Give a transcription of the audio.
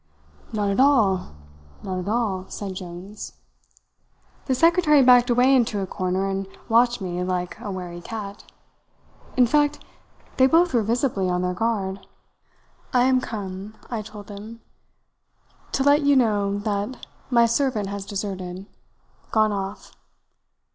"'Not at all! Not at all,' said Jones. "The secretary backed away into a corner and watched me like a wary cat. In fact, they both were visibly on their guard. "'I am come,' I told them, 'to let you know that my servant has deserted gone off.'